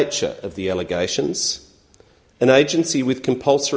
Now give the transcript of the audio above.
sebagai agensi dengan kebutuhan kompulsor